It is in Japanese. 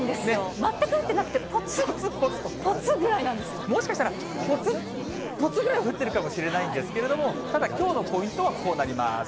全く降ってなくて、もしかしたらぽつっ、ぽつぐらいは降ってるかもしれないんですけれども、ただ、きょうのポイントはこうなります。